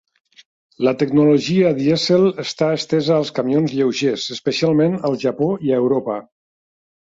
La tecnologia dièsel està estesa als camions lleugers, especialment al Japó i a Europa.